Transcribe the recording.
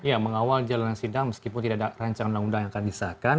ya mengawal jalanan sidang meskipun tidak ada rancangan undang undang yang akan disahkan